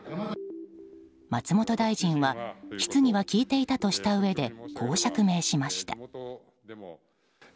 松本大臣は質疑は聞いていたとしたうえでこう釈明しました。